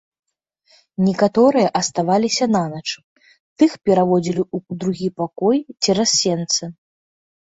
Некаторыя аставаліся нанач, тых пераводзілі ў другі пакой, цераз сенцы.